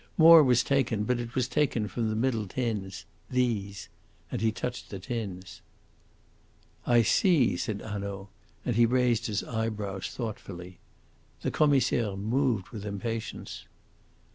More was taken, but it was taken from the middle tins these." And he touched the tins. "I see," said Hanaud, and he raised his eyebrows thoughtfully. The Commissaire moved with impatience.